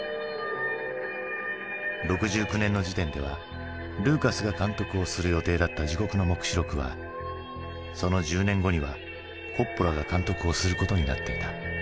６９年の時点ではルーカスが監督をする予定だった「地獄の黙示録」はその１０年後にはコッポラが監督をすることになっていた。